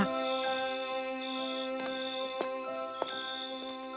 kau akan selalu mencintai dan juga dihormati